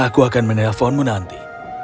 aku akan menelponmu nanti